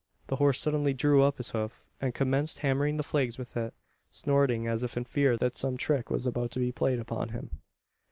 The horse suddenly drew up his hoof; and commenced hammering the flags with it, snorting as if in fear that some trick was about to be played upon him.